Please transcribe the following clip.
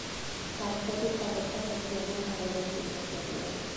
ბავშვები სხვადასხვა სოციალურ გარემოში იზრდებიან.